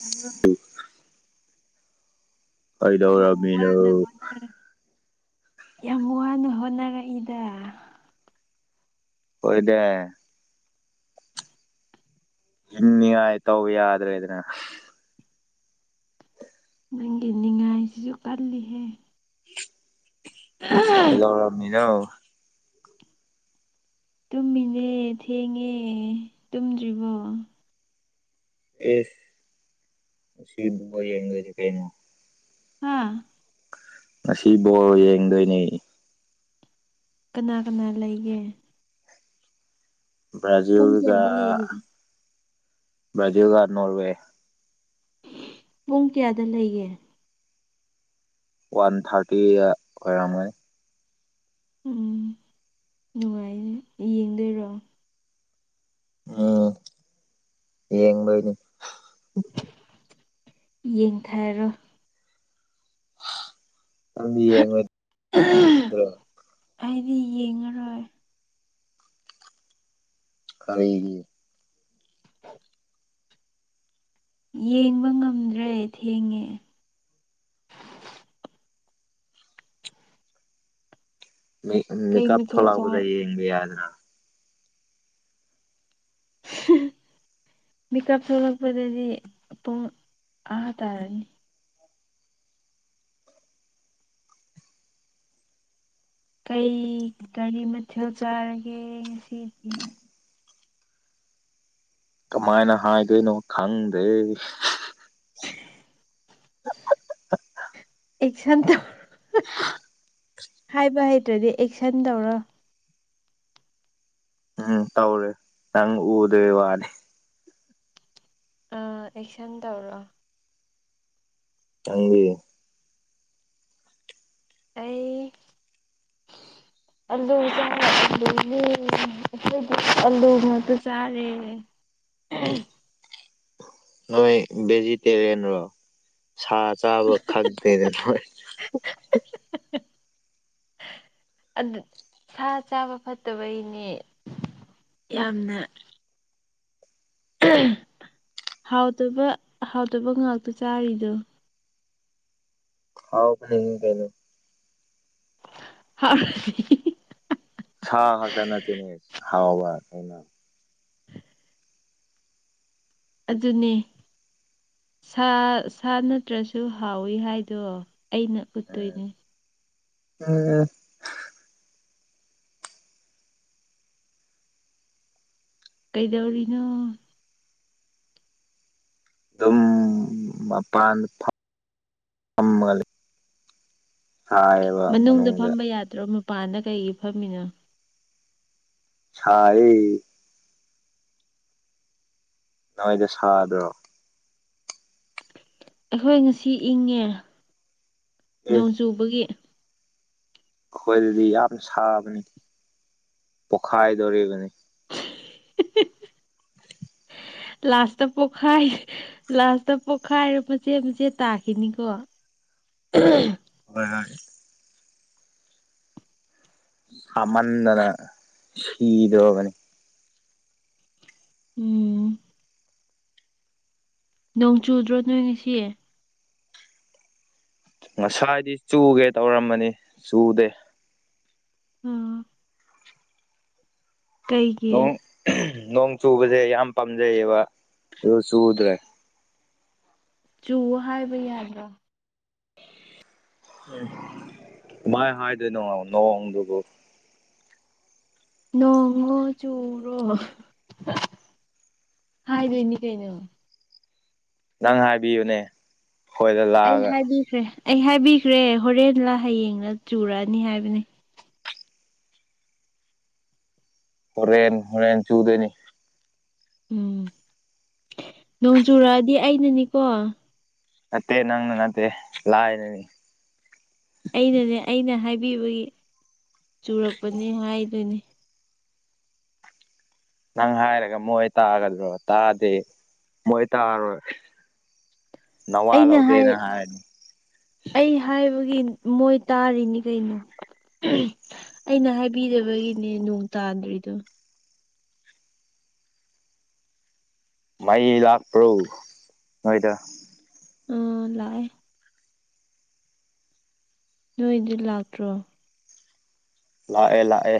ꯑ ꯌꯥꯝ ꯋꯥꯅ ꯀꯩꯗꯧꯔꯃꯤꯅꯣ ꯍꯣꯠꯅꯔ ꯌꯥꯝ ꯋꯥꯅ ꯍꯣꯠꯅꯔꯛꯏꯗ ꯍꯦꯏꯅꯦ ꯏꯅꯤꯒꯥꯏ ꯇꯧ ꯌꯥꯗ꯭ꯔꯦ ꯑꯗꯨꯅ ꯅꯪꯒꯤ ꯅꯤꯡꯉꯥꯏꯁꯤꯁꯨ ꯀꯜꯂꯤꯍꯦ ꯀꯩꯗꯧꯔꯃꯤꯅꯣ ꯇꯨꯝꯃꯤꯅꯦ ꯊꯦꯡꯉꯦ ꯇꯨꯝꯗ꯭ꯔꯤꯕꯣ ꯑꯦꯁ ꯁꯤ ꯋꯥꯔꯤ ꯌꯥꯝꯒ ꯀꯥꯏꯅꯣ ꯍꯥꯥ ꯉꯁꯤ ꯕꯣꯜ ꯌꯦꯡꯗꯣꯏꯅꯦ ꯀꯅꯥ ꯀꯅꯥ ꯂꯩꯒꯦ ꯄꯨꯡ ꯕ꯭ꯔꯖꯤꯜꯒ ꯀꯌꯥꯗ ꯂꯩꯒꯦ ꯕ꯭ꯔꯖꯤꯟꯒ ꯅꯣꯔꯋꯦ ꯄꯨꯡ ꯀꯌꯥꯗ ꯂꯩꯌꯦ ꯋꯥꯟ ꯊꯥꯔꯇꯤꯗ ꯑꯣꯏꯔꯝꯒꯅꯤ ꯎꯝ ꯅꯨꯡꯉꯥꯏ ꯌꯦꯡꯗꯣꯏꯔꯣ ꯑ ꯌꯦꯡꯕꯅꯤ ꯌꯦꯡꯊꯥꯔꯣ ꯅꯪꯗꯤ ꯌꯦꯡꯉꯣꯏꯗ꯭ꯔꯣ ꯑꯩꯗꯤ ꯌꯦꯡꯉꯔꯣꯏ ꯀꯔꯤꯒꯤ [unintelligible] ꯌꯦꯡꯕ ꯉꯝꯗ꯭ꯔꯦ ꯊꯦꯡꯉꯦ ꯀꯩ ꯃꯦꯀꯞ ꯃꯊꯦꯜ ꯊꯣꯛꯂꯛꯄꯗ ꯆꯥꯔ ꯌꯦꯡꯒꯦ ꯌꯥꯗꯔ ꯃꯤꯀꯞ ꯊꯣꯛꯂꯛꯄꯗꯗꯤ ꯄꯨꯡ ꯑꯥ ꯇꯥꯔꯅꯤ ꯀꯩ ꯀꯥꯔꯤ ꯃꯊꯦꯜ ꯆꯥꯔꯒꯦ ꯉꯁꯤꯗꯤ [unintelligible] ꯀꯃꯥꯏꯅ ꯍꯥꯏꯗꯣꯏꯅꯣ ꯈꯪꯗꯦ [unintelligible] ꯑꯦꯛꯁꯟ ꯇꯧ ꯍꯥꯏꯕ ꯍꯩꯇ꯭ꯔꯗꯤ ꯑꯦꯛꯁꯟ ꯇꯧꯔꯣ ꯎꯝ ꯇꯧꯔꯦ ꯅꯪ ꯎꯗꯦ ꯋꯥꯅꯤ ꯑꯥ ꯑꯦꯛꯁꯟ ꯇꯧꯔꯣ ꯅꯡꯗꯤ ꯑꯩ [unintelligible] ꯑꯂꯨ ꯆꯔꯦ ꯑꯂꯨ ꯃꯠꯇ ꯆꯥꯔꯦ ꯍꯣꯁꯇꯦꯜꯗꯗꯤ ꯑꯂꯨ ꯉꯥꯛꯇ ꯆꯥꯔꯦ ꯑꯍꯝ ꯅꯣꯏ ꯕꯦꯖꯤꯇꯦꯔꯤꯌꯦꯟ ꯔꯣ ꯁꯥ ꯆꯥꯕ ꯈꯥꯡꯗꯔꯦꯗ ꯅꯣꯏ [unintelligible] ꯑꯗꯨ ꯁꯥ ꯆꯥꯕ ꯐꯠꯇꯕꯩꯅꯦ ꯌꯥꯝꯅ ꯍꯥꯎꯇꯕ ꯍꯥꯎꯇꯕ ꯉꯥꯛꯇ ꯆꯥꯔꯤꯗꯣ ꯍꯥꯎꯇꯔꯥꯗꯤ ꯀꯩꯅꯣ [unintelligible] ꯁ ꯉꯛꯇ ꯅꯠꯇꯦꯅꯦ ꯍꯥꯎ ꯀꯩꯅꯣ ꯑꯗꯨꯅꯦ ꯁꯥ ꯁꯥ ꯅꯠꯇ꯭ꯔꯁꯨ ꯍꯥꯎꯋꯤ ꯍꯥꯏꯗꯣ ꯑꯩꯅ ꯎꯝ ꯎꯠꯇꯣꯏꯅꯦ ꯎꯝ ꯀꯩꯗꯧꯔꯤꯅꯣ ꯑꯗꯨꯝ ꯃꯄꯥꯟ ꯐꯝ ꯐꯝꯃꯒ ꯂꯩ ꯃꯅꯨꯡꯗ ꯐꯝꯕ ꯌꯥꯗ꯭ꯔꯣ ꯃꯄꯥꯟꯗ ꯀꯩꯒꯤ ꯐꯝꯃꯤꯅꯣ ꯁꯥꯏꯌꯦ ꯅꯣꯏꯗꯤ ꯁꯥꯗ꯭ꯔꯣ ꯑꯩꯈꯣꯏ ꯉꯁꯤ ꯏꯪꯉꯦ ꯑꯦ ꯅꯣꯡ ꯆꯨꯕꯒꯤ ꯑꯩꯈꯣꯏꯗꯗꯤ ꯌꯥꯝ ꯁꯥꯕꯅꯤ ꯄꯣꯈꯥꯏꯗꯣꯔꯤꯕꯅꯤ ꯂꯥꯁꯇ ꯄꯣꯛꯈꯥꯏ ꯂꯥꯁꯇ ꯄꯣꯛꯈꯥꯏꯔꯛꯄ ꯃꯆꯦ ꯃꯆꯦꯠ ꯇꯥꯈꯤꯅꯤꯀꯣ ꯎꯝ ꯍꯣꯏ ꯍꯣꯏ ꯍꯥꯃꯟꯗꯅ ꯁꯤꯗꯣꯔꯕꯅꯤ ꯎꯝ ꯅꯣꯡ ꯆꯨꯗ꯭ꯔꯣ ꯅꯣꯏ ꯉꯁꯤ ꯉꯁꯥꯏꯗꯤ ꯆꯨꯒꯦ ꯇꯧꯔꯝꯃꯅꯤ ꯆꯨꯗꯦ ꯎꯝ ꯀꯩꯒꯤ ꯅꯣꯡ ꯅꯣꯡ ꯆꯨꯕꯁꯦ ꯌꯥꯝ ꯄꯥꯝꯖꯩꯌꯦꯕ ꯑꯗꯨ ꯆꯨꯗ꯭ꯔꯦ ꯆꯨ ꯍꯥꯏꯕ ꯌꯥꯗ꯭ꯔꯣ ꯎ ꯃꯥꯏ ꯍꯥꯏꯗꯣꯏꯅꯣ ꯅꯣꯡꯗꯨꯕꯨ ꯅꯣꯡꯉꯣ ꯆꯨꯔꯣ ꯍꯥꯏꯗꯣꯏꯅꯤ ꯀꯩꯅꯣ ꯅꯪ ꯍꯥꯏꯕꯤꯌꯨꯅꯦ ꯑꯩꯈꯣꯏꯗ ꯑꯩ ꯂꯥꯛꯑꯒ ꯍꯥꯏꯕꯤꯈ꯭ꯔꯦ ꯑꯩ ꯍꯥꯏꯕꯤꯈ꯭ꯔꯦ ꯍꯣꯔꯦꯟꯂꯥ ꯍꯌꯦꯡꯅ ꯆꯨꯔꯛꯑꯅꯤ ꯍꯥꯏꯕꯅꯤ ꯍꯣꯔꯦꯟ ꯍꯣꯔꯦꯟ ꯆꯨꯗꯣꯏꯅꯤ ꯎꯝ ꯅꯣꯡ ꯆꯨꯔꯛꯑꯗꯤ ꯑꯩꯅꯅꯤꯀꯣ ꯅꯠꯇꯦ ꯅꯪ ꯅꯪ ꯅꯠꯇꯦ ꯂꯥꯛꯗꯅꯤ ꯑꯩꯅꯅꯦ ꯑꯩꯅ ꯍꯥꯏꯕꯤꯕꯒꯤ ꯆꯨꯔꯛꯄꯅꯤ ꯍꯥꯏꯗꯨꯣꯏꯅꯤ ꯅꯪ ꯍꯥꯏꯔꯒ ꯃꯣꯏ ꯇꯥꯒꯗ꯭ꯔꯣ ꯇꯥꯗꯤ ꯃꯣꯏ ꯇꯥꯔꯣꯏ [inaudible] ꯑꯩꯅ ꯍꯥꯏ ꯂꯧꯗꯦꯅ ꯍꯥꯏꯔꯅꯤ ꯑꯩ ꯍꯥꯏꯕꯒꯤ ꯃꯣꯏ ꯇꯥꯔꯤꯅꯤ ꯀꯩꯅꯣ ꯑꯩꯅ ꯍꯥꯏꯕꯤꯗꯕꯒꯤꯅꯦ ꯅꯣꯡ ꯇꯥꯗ꯭ꯔꯤꯗꯣ ꯃꯩ ꯂꯥꯛꯄ꯭ꯔꯣ ꯍꯣꯏꯗ ꯑꯥ ꯂꯥꯛꯑꯦ ꯅꯣꯏꯗꯤ ꯂꯥꯛꯇ꯭ꯔꯣ ꯂꯥꯛꯑꯦ ꯂꯥꯛꯑꯦ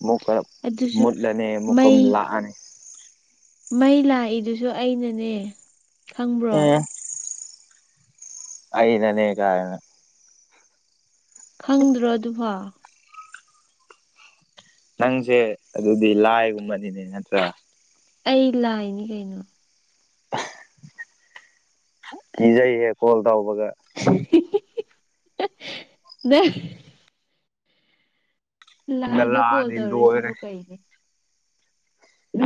ꯑꯃꯨꯛ ꯀꯔ ꯑꯗꯨꯁꯨ ꯃꯨꯠꯂꯅꯤ ꯃꯩ ꯑꯃꯨꯛꯀꯔ ꯂꯥꯛꯑꯅꯤ ꯃꯩ ꯂꯥꯛꯏꯗꯨꯁꯨ ꯑꯩꯅꯅꯦ ꯈꯪꯕ꯭ꯔꯣ ꯑꯩ ꯅꯅꯦ ꯀꯥꯏꯅ ꯈꯪꯗ꯭ꯔꯣ ꯑꯗꯨꯕ ꯅꯪꯁꯦ ꯑꯗꯨꯗꯤ ꯂꯥꯏꯒꯨꯝꯕꯅꯤꯅꯦ ꯅꯠꯇ꯭ꯔꯥ ꯑꯩ ꯂꯥꯏꯅꯤ ꯀꯩꯅꯣ ꯏꯖꯩꯍꯦ ꯀꯣꯜ ꯇꯕꯕꯒ ꯅ ꯌꯨꯝꯗ ꯂꯥꯏꯗ ꯀꯣꯜ ꯂꯥꯛꯑꯗꯤ ꯂꯣꯏꯔꯦ ꯇꯧꯔꯤꯁꯤꯕꯨ ꯀꯩꯅꯦ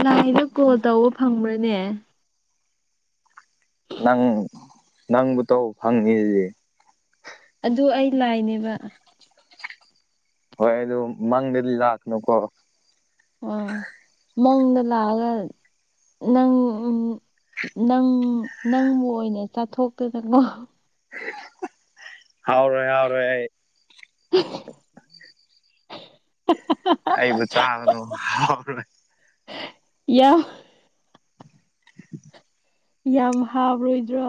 ꯂꯥꯏꯗ ꯀꯣꯜ ꯇꯧꯕ ꯐꯪꯕ꯭ꯔꯅꯦ ꯅꯪ ꯅꯪꯕꯨ ꯇ ꯐꯪꯉꯤꯁꯦ ꯑꯗꯨ ꯑꯩ ꯂꯥꯏꯅꯦꯕ ꯍꯣꯏ ꯃꯪꯗꯗꯤ ꯂꯥꯛꯅꯨ ꯀꯣ ꯑ ꯃꯪꯗ ꯂꯒ ꯅꯪ ꯅꯪ ꯅꯪꯕꯨ ꯑꯣꯏꯅ ꯆꯥꯊꯣꯛꯇꯅꯀꯣ ꯍꯥꯎꯔꯣꯏ ꯍꯥꯎꯔꯣꯏ ꯑꯩ [unintelligible] [inaudible] ꯑꯩꯕꯨ ꯆꯥ ꯌꯥ ꯌꯥꯝ ꯍꯥꯎꯔꯣꯏꯗ꯭ꯔꯣ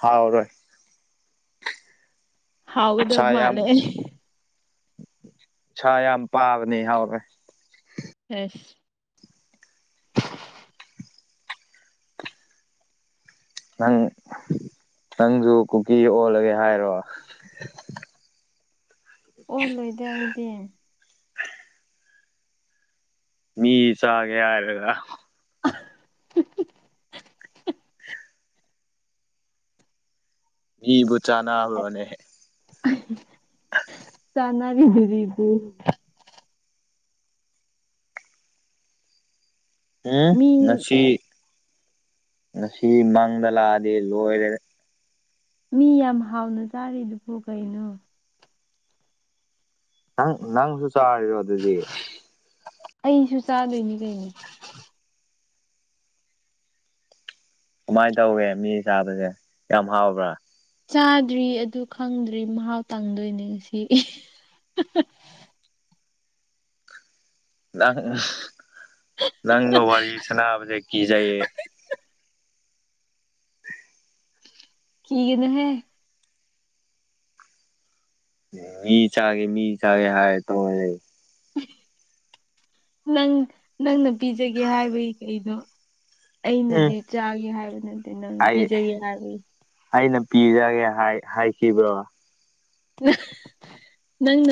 ꯍꯥꯎꯔꯣꯏ ꯁꯥ ꯍꯥꯎꯒꯗꯕ ꯌꯥꯝ ꯃꯥꯜꯂꯦ ꯁꯥ ꯌꯥꯝ ꯄꯥꯕꯅꯤ ꯍꯥꯎꯔꯦ ꯐꯦꯁ ꯅꯪ ꯅꯪꯁꯨ ꯀꯨꯀꯤ ꯑꯣꯜꯂꯒꯦ ꯍꯥꯏꯔꯣ ꯑꯣꯍꯜꯂꯣꯏꯗꯦ ꯑꯩꯗꯤ ꯃꯤ ꯆꯥꯒꯦ ꯍꯥꯏꯔꯒ [unintelligible] ꯏꯕꯨ ꯆꯅꯥꯑꯅꯦ ꯆꯅꯥ ꯑꯗꯨꯔꯤ ꯑꯗꯨꯕꯨ ꯎꯝ ꯃꯤ ꯉꯁꯤ ꯉꯁꯤ ꯃꯥꯡꯗ ꯂꯥꯛꯑꯗꯤ ꯂꯣꯏꯔꯦ ꯃꯤ ꯌꯥꯝ ꯍꯥꯎꯅ ꯆꯥꯔꯤꯗꯨꯕꯨ ꯀꯩꯅꯣ ꯅꯪ ꯅꯪꯁꯨ ꯆꯔꯗꯨꯗꯤ ꯑꯩꯁꯨ ꯆꯥꯗꯣꯏꯅꯤ ꯀꯩꯅꯣ ꯀꯃꯥꯏꯅ ꯇꯧꯋꯦ ꯃꯤ ꯆꯥꯕꯁꯦ ꯌꯥꯝ ꯍꯥꯎꯕ꯭ꯔꯥ ꯆꯥꯗ꯭ꯔꯤ ꯑꯗꯨ ꯈꯪꯗ꯭ꯔꯤ ꯃꯍꯥꯎ ꯇꯪꯗꯣꯏꯅꯦ ꯉꯁꯤ ꯅꯪ ꯅꯪ ꯅ ꯋꯥꯔꯤꯔꯤ ꯁꯅꯕꯁꯦ ꯀꯖꯩꯌꯦ ꯀꯤꯒꯅꯣꯍꯦ ꯃꯤ ꯆꯥꯒꯦ ꯃꯤ ꯆꯥꯒꯦ ꯍꯥꯏ ꯇ ꯅꯪ ꯅꯪꯅ ꯄꯤꯖꯒꯦ ꯍꯥꯏꯕꯒꯤ ꯀꯩꯗꯣ ꯎꯝ ꯑꯩꯅꯗꯤ ꯆꯥꯒꯦ ꯍꯥꯏꯕ ꯅꯠꯇꯦ ꯅꯪ ꯑꯩ ꯄꯤꯖꯒꯦ ꯍꯥꯏꯕꯒꯤ ꯑꯩꯅ ꯄꯤꯔꯒꯦ ꯍꯥꯏꯈꯤꯕ꯭ꯔ ꯅꯪ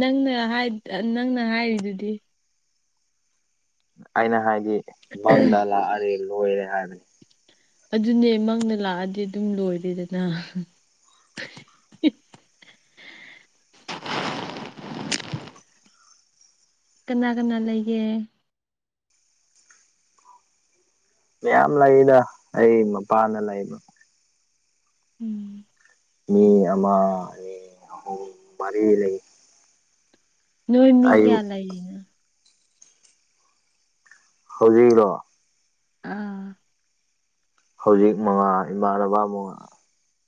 ꯅꯅ ꯅꯪꯅ ꯍꯥꯏꯔꯤꯗꯨꯗꯤ ꯑꯩꯅ ꯍꯥꯏꯗꯤ ꯕꯪꯗ ꯂꯥꯛꯑꯔꯦ ꯂꯣꯏꯔꯦ ꯍꯥꯏꯕꯅꯤ ꯑꯗꯨꯅꯦ ꯃꯪꯅ ꯂꯥꯛꯑꯗꯤ ꯑꯗꯨꯝ ꯂꯣꯏꯔꯦꯗꯅ ꯀꯅꯥ ꯀꯅꯥ ꯂꯩꯒꯦ ꯃꯌꯥꯝ ꯂꯩꯗ ꯑꯩ ꯃꯄꯥꯟꯗ ꯂꯩꯕ ꯎꯝ ꯃꯤ ꯑꯃ ꯑꯍꯨꯝ ꯃꯥ ꯂꯩ ꯅꯣꯏ ꯃꯤ ꯀꯌꯥ ꯑꯌꯨꯛ ꯂꯩꯥꯏꯔꯤꯅ ꯍꯧꯖꯩꯅꯣ ꯑꯥ ꯍꯧꯖꯤꯛ ꯃꯉꯥ ꯏꯃꯥꯟꯅꯕ ꯃꯉꯥ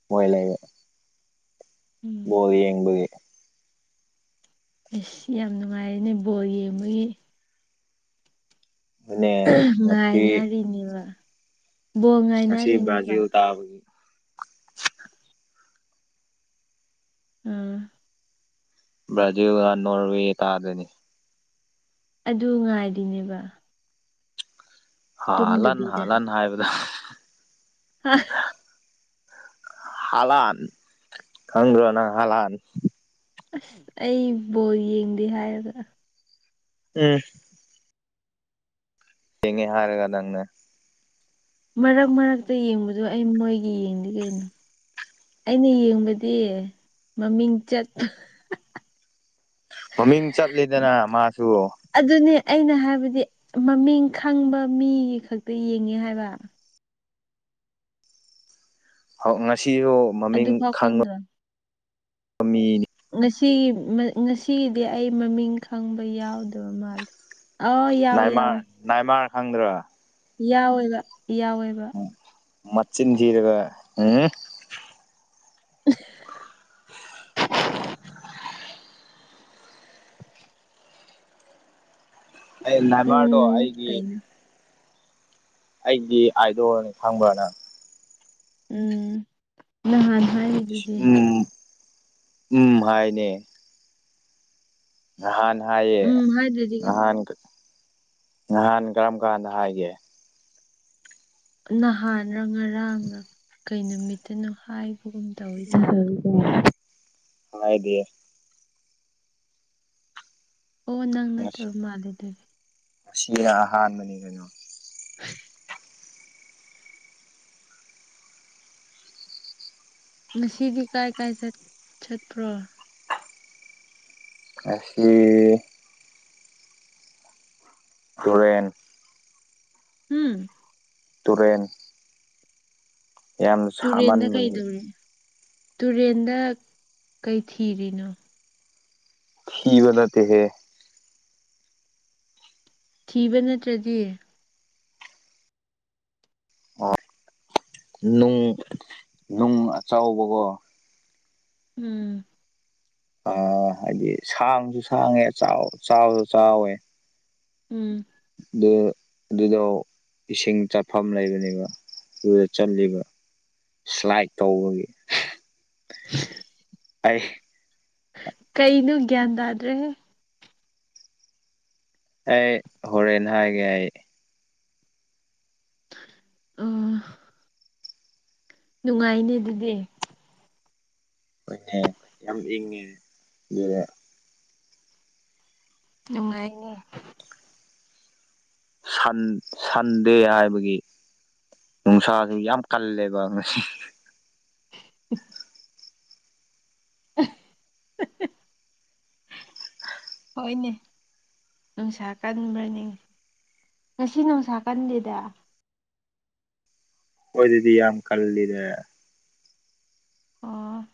ꯃꯣꯏ ꯂꯩꯔꯦ ꯎꯝ ꯣꯗꯤ ꯌꯦꯡꯕꯒꯤ ꯑꯩꯁ ꯌꯥꯝ ꯅꯨꯡꯉꯥꯏꯔꯅꯦ ꯕꯣꯜ ꯌꯦꯡꯕꯒꯤ ꯑꯗꯨꯅꯦ ꯉꯁꯤ ꯉꯥꯏꯅꯔꯤꯅꯦꯕ ꯕꯣ ꯉꯁꯤ ꯉꯥꯏꯅꯔꯤꯅꯦꯕ ꯕ꯭ꯔꯥꯖꯤꯜ ꯇꯥꯕꯒꯤ ꯎꯝ ꯕ꯭ꯔꯖꯤꯜ ꯅꯣꯔꯌꯦ ꯇꯗꯦꯏꯅꯦ ꯑꯗꯨ ꯉꯥꯏꯔꯤꯅꯦꯕ ꯍꯥꯥ ꯂꯥꯟ ꯍꯥ ꯇꯨꯝꯗꯕꯤꯗ ꯂꯥꯟ ꯍꯥꯏꯕꯗ ꯍꯥ ꯍꯂꯥꯟ ꯈꯪꯗ꯭ꯔꯣ ꯅꯪ ꯍꯂꯥꯟ ꯑꯁ ꯑꯩ ꯕꯣꯜ ꯌꯦꯡꯗꯦ ꯍꯥꯏꯔꯒ ꯎꯝ ꯊꯦꯉꯦ ꯍꯥꯏꯔꯒ ꯅꯪꯅꯥ ꯃꯔꯛ ꯃꯔꯛꯇ ꯌꯦꯡꯕꯗ ꯑꯩ ꯃꯣꯏꯒꯤ ꯌꯦꯡꯗꯤ ꯀꯩꯅꯣ ꯑꯩꯅ ꯌꯦꯡꯕꯗꯤ ꯃꯃꯤꯡ ꯆꯠ ꯃꯃꯤꯡ ꯆꯠꯂꯤꯗꯅ ꯃꯥꯁꯨ ꯑꯗꯨꯅꯦ ꯑꯩꯅ ꯍꯥꯏꯕꯗꯤ ꯃꯃꯤꯡ ꯈꯪꯕ ꯃꯤ ꯈꯛꯇ ꯌꯦꯡꯉꯦ ꯍꯥꯏꯕ ꯉꯁꯤꯁꯨ ꯑꯗꯨ ꯃꯃꯤꯡ ꯈꯪꯕ ꯐꯥꯎꯈꯪꯗ ꯃꯤꯅꯤ ꯉꯁꯤꯒꯤ ꯉꯁꯤꯒꯤꯗꯤ ꯑꯩ ꯃꯃꯤꯡ ꯈꯪꯕ ꯌꯥꯎꯗꯕ ꯃꯥꯜꯂꯦ ꯑꯣ ꯌꯥꯎꯋꯦ ꯏꯃꯔ ꯌꯥꯎꯋꯦ ꯅꯥꯏꯃꯥꯔ ꯈꯪꯗ꯭ꯔꯣ ꯌꯥꯎꯋꯦꯕ ꯌꯥꯎꯋꯦꯕ ꯃꯆꯤꯟ ꯊꯤꯔꯒ ꯎꯝ [unintelligible] ꯑꯩ [unintelligible] ꯑꯩ ꯀꯩꯅꯣ ꯑꯩꯗꯤ ꯑꯥꯏꯗꯣꯅꯤ ꯈꯪꯕ꯭ꯔꯅ ꯎꯝ ꯅꯍꯥꯟ ꯍꯥꯏꯔꯤ ꯎꯝ ꯎꯝ ꯍꯥꯏꯅꯦ ꯅꯍꯥꯟ ꯍꯥꯏꯌꯦ ꯎꯝ ꯍꯥꯏꯗ꯭ꯔꯗꯤ ꯀꯩ- ꯉꯍꯥꯟ ꯅꯍꯥꯟ ꯀꯔꯝ ꯀꯥꯟꯗ ꯍꯥꯏꯒꯦ ꯅꯍꯥꯟꯅ ꯉꯔꯥꯡꯅ ꯀꯩ ꯅꯨꯃꯤꯠꯇꯅꯣ ꯍꯥꯏꯕ [unintelligible] ꯍꯥꯏꯗꯦ ꯑꯣ ꯅꯪ ꯅꯠꯇꯕ ꯃꯥꯜꯂꯦ ꯑꯗꯨꯗꯤ ꯁꯤ ꯑꯍꯥꯟꯕꯅꯤ ꯀꯩꯅꯣ ꯉꯁꯤꯗꯤ ꯀꯥꯏ ꯀꯥꯏ ꯆꯠꯄ꯭ꯔꯣ ꯉꯁꯤ ꯍꯨꯔꯦꯟ ꯍꯝ ꯇꯨꯔꯦꯟ ꯌꯥꯝ ꯇꯨꯔꯦꯟꯗ ꯁꯥꯃꯟꯕꯒꯤ ꯀꯩꯗꯧꯔꯤ ꯇꯨꯔꯦꯟꯗ ꯀꯩ ꯊꯤꯔꯤꯅꯣ ꯊꯤꯕ ꯅꯠꯇꯦꯍꯦ ꯊꯤꯕ ꯅꯠꯇ꯭ꯔꯗꯤ ꯑꯣ ꯅꯨꯡ ꯅꯨꯡ ꯑꯆꯕꯀꯣ ꯎꯝ ꯑ ꯍꯥꯏꯗꯤ ꯁꯥꯡꯁꯨ ꯁꯥꯡꯉꯦ ꯆꯥꯎꯕꯁꯨ ꯆꯥꯎꯋꯦ ꯎꯝ ꯑꯗꯨ ꯑꯗꯨꯗꯣ ꯏꯁꯤꯡ ꯆꯥꯐꯝ ꯂꯩꯕꯅꯦꯕ ꯑꯗꯨꯗ ꯆꯜꯂꯤꯠꯕ ꯁ꯭ꯂꯥꯏꯠ ꯇꯧꯕꯒꯤ [unintelligible] ꯀꯩꯩꯅꯣ ꯒ꯭ꯌꯥꯟ ꯇꯗ꯭ꯔꯦꯍꯦ ꯑꯩ ꯍꯣꯔꯦꯟ ꯍꯥꯏꯒꯦ ꯑꯩ [unintelligible] ꯅꯨꯡꯉꯥꯏꯅꯤ ꯑꯗꯨꯗꯤ ꯏꯅꯦ ꯌꯥꯝ ꯏꯪꯉꯦ ꯅꯨꯡꯉꯥꯏꯅꯦ ꯁꯟ ꯁꯟꯗꯦ ꯍꯥꯏꯕꯒꯤ ꯅꯨꯡꯁꯥꯁꯨ ꯌꯥꯝ ꯀꯜꯂꯦꯕ ꯉꯁꯤ ꯎꯝ [inaudible] ꯍꯣꯏꯅꯦ ꯅꯨꯡꯁꯥ ꯀꯟꯕ꯭ꯔꯅꯤ ꯉꯁꯤ ꯅꯣꯡꯁꯥ ꯀꯟꯗꯦꯗ ꯍꯣꯏꯗꯗꯤ ꯌꯥꯝ ꯀꯜꯗꯦ ꯑꯣ